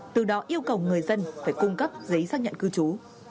từ đó yêu cầu người dân phải cung cấp giấy xác nhận cư trú